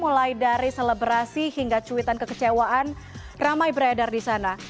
mulai dari selebrasi hingga cuitan kekecewaan ramai beredar di sana